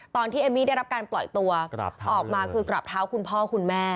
เอมมี่ได้รับการปล่อยตัวออกมาคือกราบเท้าคุณพ่อคุณแม่